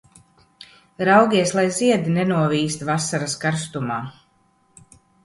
Raugies, lai ziedi nenovīst vasaras karstumā!